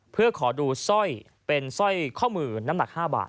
เพื่อขอดูสร้อยเป็นสร้อยข้อมือน้ำหนัก๕บาท